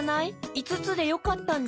いつつでよかったんじゃ。